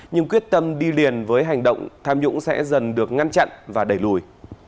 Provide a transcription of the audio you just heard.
nhưng quyết tâm đi liền với hành động tham nhũng sẽ dần được ngăn chặn và đẩy lùi